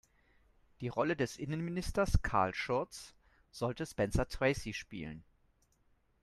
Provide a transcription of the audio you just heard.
Die Rolle des Innenministers Carl Schurz sollte Spencer Tracy spielen.